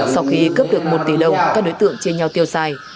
sau khi cướp được một tỷ đồng các đối tượng chia nhau tiêu xài